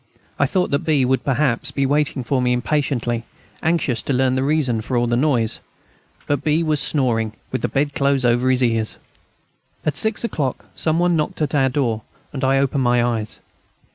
I thought that B. would perhaps be waiting for me impatiently, anxious to learn the reason of all the noise. But B. was snoring with the bed clothes over his ears. At six o'clock some one knocked at our door, and I opened my eyes.